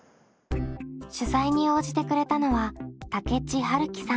取材に応じてくれたのは武知治樹さん。